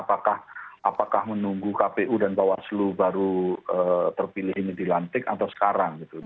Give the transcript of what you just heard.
apakah menunggu kpu dan bawaslu baru terpilih ini dilantik atau sekarang gitu